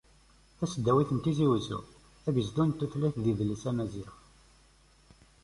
Tasdawit n Tizi Uzzu - Agezdu n tutlayt d yidles amaziɣ.